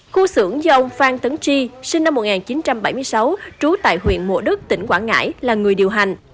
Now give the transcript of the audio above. khu xưởng do ông phan tấn chi sinh năm một nghìn chín trăm bảy mươi sáu trú tại huyện mộ đức tỉnh quảng ngãi là người điều hành